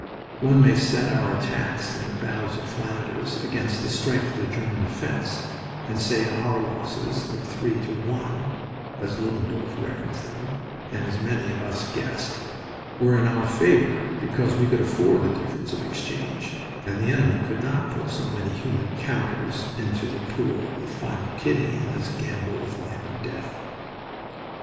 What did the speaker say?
One may set our attacks in the battles of Flanders against the strength of the German defense, and say our losses of three to one (as Ludendorff reckons them, and as many of us guessed) were in our favor, because we could afford the difference of exchange and the enemy could not put so many human counters into the pool for the final "kitty" in this gamble with life and death.